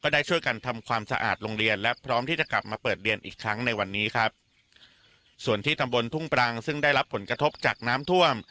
ได้ช่วยกันทำความสะอาดโรงเรียนและพร้อมที่จะกลับมาเปิดเรียนอีกครั้งในวันนี้ครับส่วนที่ตำบลทุ่งปรังซึ่งได้รับผลกระทบจากน้ำท่วม